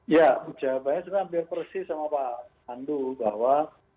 ya jawabannya sebenarnya hampir persis sama pak pandu bahwa